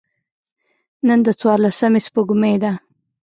نن د څوارلسمي سپوږمۍ ده.